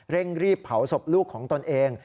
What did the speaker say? เร่งรีบเผาศพลูกของตนเอง